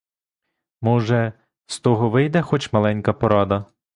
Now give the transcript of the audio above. Може, з того вийде хоч маленька порада.